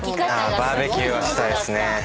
バーベキューはしたいっすね。